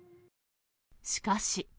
しかし。